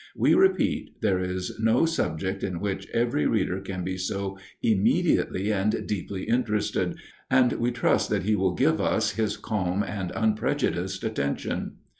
We repeat, there is no subject in which every reader can be so immediately and deeply interested, and we trust that he will give us his calm and unprejudiced attention.